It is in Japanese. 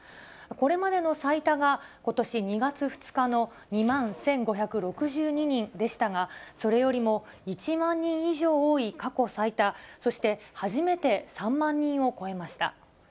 これまでの最多がことし２月２日の２万１５６２人でしたが、それよりも１万人以上多い過去最多、そして、初めて３万人を超えました。